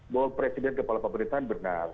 bahwa presiden kepala pemerintahan benar